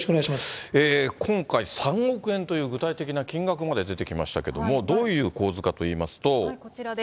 今回、３億円という具体的な金額まで出てきましたけれども、こちらです。